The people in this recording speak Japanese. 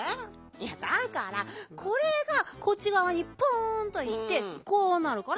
いやだからこれがこっちがわにポンといってこうなるからこうだろ？